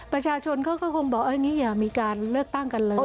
ประชาชนเขาก็คงบอกอย่างนี้อย่ามีการเลือกตั้งกันเลย